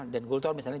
den gultor misalnya